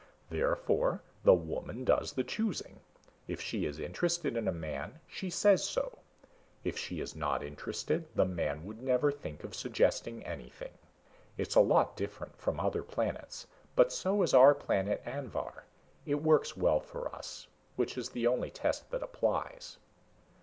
Therefore the woman does the choosing. If she is interested in a man, she says so. If she is not interested, the man would never think of suggesting anything. It's a lot different from other planets, but so is our planet Anvhar. It works well for us, which is the only test that applies."